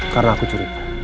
karena aku curiga